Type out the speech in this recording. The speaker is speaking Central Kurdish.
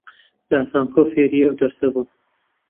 لە زانکۆ فێری ئەو دەرسە بووم